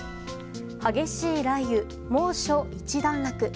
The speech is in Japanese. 激しい雷雨、猛暑一段落。